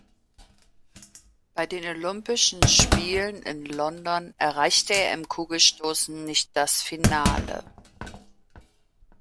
Bei den Olympischen Spielen in London erreichte er im Kugelstoßen nicht das Finale.